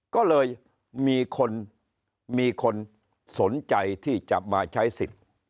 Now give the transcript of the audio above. ก็เลยมีคนมีคนสนใจที่จะมาใช้สิทธิ์